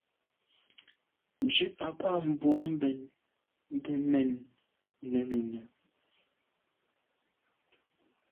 Ndù à ba mbwon mbèn mbe mènnenùne.